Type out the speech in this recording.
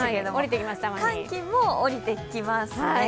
寒気も下りてきますね。